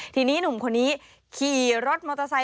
ทีนี้หนุ่มคนนี้ขี่รถมอเตอร์ไซค